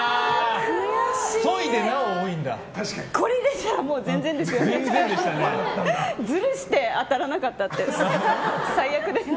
これでしたら全然でしたね。